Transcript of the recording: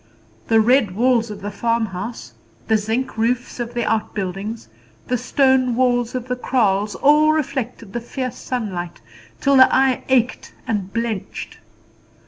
The red walls of the farmhouse, the zinc roofs of the outbuildings, the stone walls of the kraals, all reflected the fierce sunlight, till the eye ached and blenched.